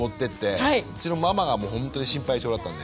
うちのママがもうほんとに心配性だったんで。